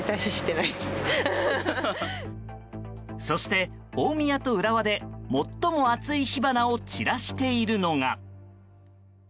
そして、大宮と浦和で最も熱い火花を散らしているのが。